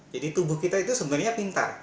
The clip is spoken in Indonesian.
jadi tubuh kita itu sebenarnya pintar